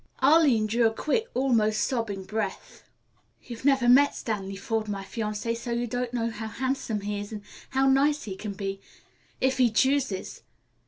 Arline drew a quick, almost sobbing breath. "You've never met Stanley Forde, my fiancé, so you don't know how handsome he is and how nice he can be if he chooses.